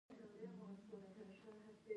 د سرپل په سوزمه قلعه کې تیل شته.